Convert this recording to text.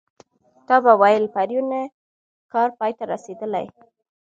تا به ویل پرون یې کار پای ته رسېدلی.